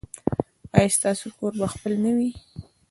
ایا ستاسو کور به خپل نه وي؟